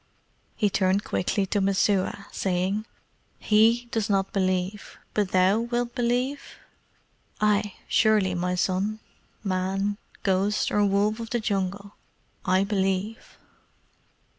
He turned quickly to Messua, saying, "HE does not believe, but thou wilt believe?" "Ay, surely, my son. Man, ghost, or wolf of the Jungle, I believe."